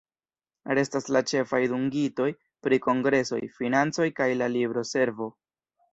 Restas la ĉefaj dungitoj pri Kongresoj, financoj kaj la libroservo.